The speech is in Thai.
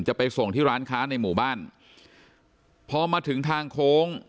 จะไปส่งที่ร้านค้าในหมู่บ้านพอมาถึงทางโค้ง